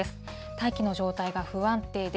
大気の状態が不安定で、